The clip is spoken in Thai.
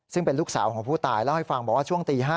ซึ่งเป็นลูกสาวของผู้ตายเล่าให้ฟังบอกว่าช่วงตี๕